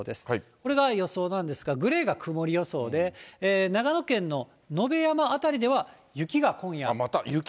これが予想なんですが、グレーが曇り予想で、長野県ののべやま辺りでは、雪が今夜。